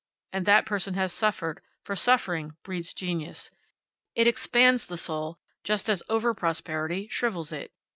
And that person has suffered, for suffering breeds genius. It expands the soul just as over prosperity shrivels it.